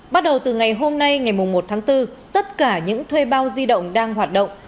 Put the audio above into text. bắt đầu từ ngày hôm nay ngày một tháng bốn tất cả những thuê bao di động đang hoạt động